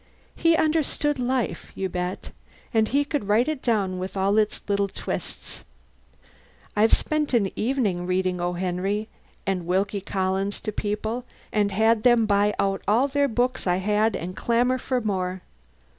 He understood life, you bet, and he could write it down with all its little twists. I've spent an evening reading O. Henry and Wilkie Collins to people and had them buy out all their books I had and clamour for more."